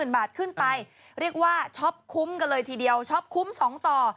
ขึ้นไปเรียกว่าช็อปคุ้มกันเลยทีเดียวช็อปคุ้ม๒ต่อ